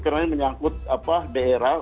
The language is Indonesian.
karena ini menyangkut daerah